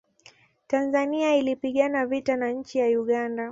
tanzania ilipigana vita na nchi ya uganda